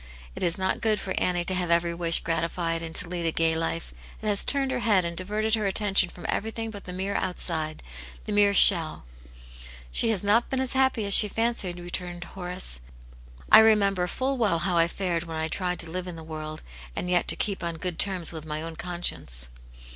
It is not good for Annie to have every wish grati fied, and to lead a gay life. It has turned her head and diverted her attention from everything but the mere outside, the mere shell." " She has not been as happy as she fancied," re turned Horace. " I remember full well how I fared when I tried to live in the world, and yet to keep on good terms with my own conscience."